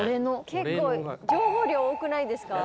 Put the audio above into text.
結構情報量多くないですか？